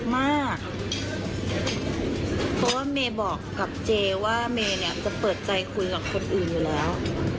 เพราะว่าเมย์บอกกับเจว่าเมย์เนี่ยจะเปิดใจคุยกับคนอื่นอยู่แล้ว